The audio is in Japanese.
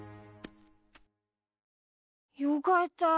よかった。